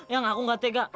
yang aku nggak tega